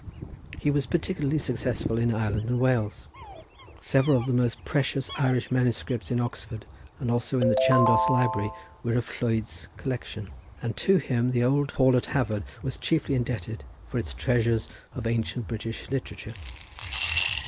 He was partially successful in Ireland and Wales. Several of the most precious Irish manuscripts in Oxford and also in the Chandos Library were of Lhuyd's collection, and to him the old hall at Hafod was chiefly indebted for its treasures of ancient British literature.